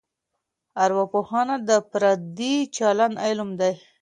ارواپوهنه د فردي چلند علم دی.